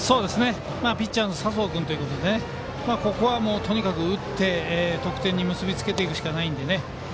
ピッチャーの佐宗君ということでここはとにかく打って得点に結びつけるしかないので。